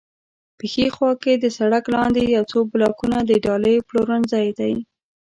په ښي خوا کې د سړک لاندې یو څو بلاکونه د ډالۍ پلورنځی دی.